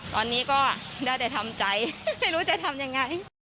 ตอนนี้ก็ได้แต่ทำใจไม่รู้จะทำยังไง